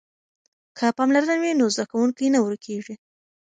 که پاملرنه وي نو زده کوونکی نه ورکیږي.